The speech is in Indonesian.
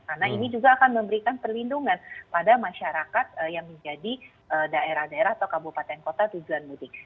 karena ini juga akan memberikan perlindungan pada masyarakat yang menjadi daerah daerah atau kabupaten kota tujuan mudik